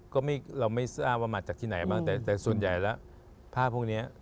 ก็ไม่เราไม่ทราบว่ามาจากที่ไหนบ้างแต่ส่วนใหญ่แล้วภาพพวกนี้